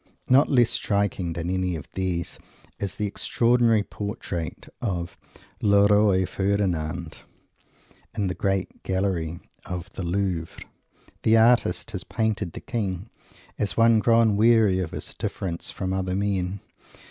Not less striking than any of these is the extraordinary portrait of "Le Roi Ferdinand" in the great gallery at the Louvre. The artist has painted the king as one grown weary of his difference from other men.